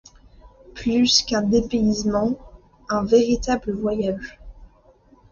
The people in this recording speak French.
Plus qu'un dépaysement, un véritable voyage.